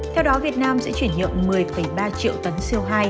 theo đó việt nam sẽ chuyển nhượng một mươi ba triệu tấn co hai